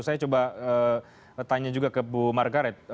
saya coba tanya juga ke bu margaret